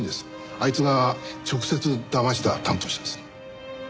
あいつが直接だました担当者です。